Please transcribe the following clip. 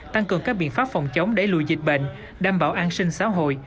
tăng cường các biện pháp phòng chống đẩy lùi dịch bệnh đảm bảo an sinh xã hội